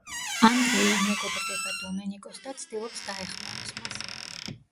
ანდრეი უმეგობრდება დომენიკოს და ცდილობს დაეხმაროს მას.